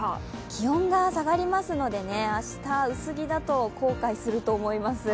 気温が下がりますので明日、薄着だと後悔すると思います。